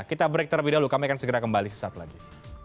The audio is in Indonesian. kita break terlebih dahulu kami akan segera kembali sesaat lagi